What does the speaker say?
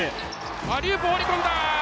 アリウープ、放り込んだ。